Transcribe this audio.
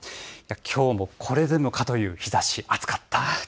きょうもこれでもかという日ざし、暑かったですよね。